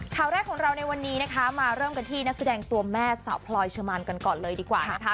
ข่าวแรกของเราในวันนี้นะคะมาเริ่มกันที่นักแสดงตัวแม่สาวพลอยเชอร์มานกันก่อนเลยดีกว่านะคะ